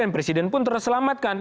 presiden pun terselamatkan